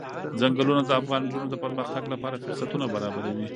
ځنګلونه د افغان نجونو د پرمختګ لپاره فرصتونه برابروي.